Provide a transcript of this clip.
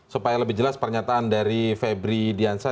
supaya lebih jelas pernyataan dari febri diansa